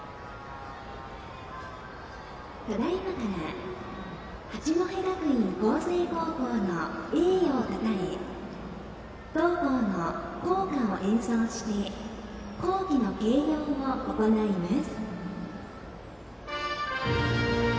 ただ今から八戸学院光星高校の栄誉をたたえ同校の校歌を演奏して校旗の掲揚を行います。